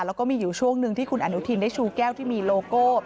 แล้วก็มีอยู่ช่วงหนึ่งที่คุณอนุทินได้ชูแก้วที่มีโลโก้